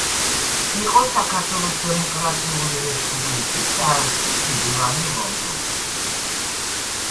იყო საქართველოს დემოკრატიული რესპუბლიკის საელჩოს მდივანი ლონდონში.